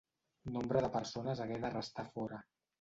Nombre de persones hagué de restar a fora.